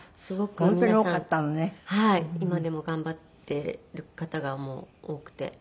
今でも頑張っている方が多くて。